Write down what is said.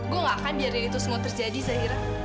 gue nggak akan biar dari itu semua terjadi zahira